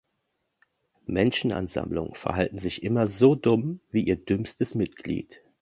Menschenansammlungen verhalten sich immer so dumm wie ihr dümmstes Mitglied.